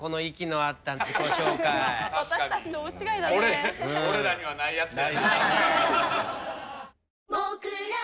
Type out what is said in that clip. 俺らにはないやつやな。